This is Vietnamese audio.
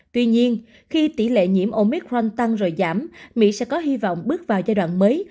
tuy nhiên khi tỷ lệ nhiễm omic frank tăng rồi giảm mỹ sẽ có hy vọng bước vào giai đoạn mới